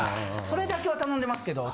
それだけは頼んでますけど。